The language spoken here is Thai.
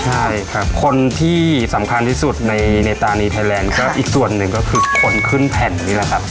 ใช่ครับคนที่สำคัญที่สุดในตานีไทยแลนด์ก็อีกส่วนหนึ่งก็คือคนขึ้นแผ่นนี่แหละครับ